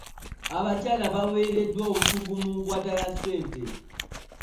Abakyala baweereddwa obukugu mu nkwata ya ssente.